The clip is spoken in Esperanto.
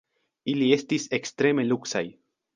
Ili estis ekstreme luksaj.